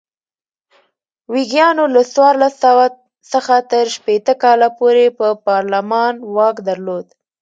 ویګیانو له څوارلس سوه څخه تر شپېته کاله پورې پر پارلمان واک درلود.